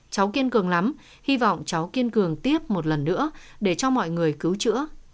cháu kiên cường lắm hy vọng cháu kiên cường tiếp một lần nữa để cho mọi người cứu chữa